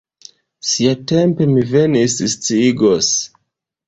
Siatempe mi vin sciigos.